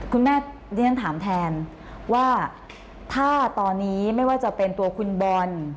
ดิฉันถามแทนว่าถ้าตอนนี้ไม่ว่าจะเป็นตัวคุณบอล